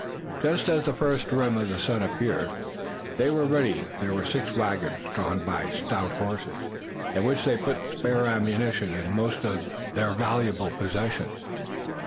Just as the first rim of the sun appeared they were ready. There were six wagons, drawn by stout horses, in which they put the spare ammunition and their most valuable possessions.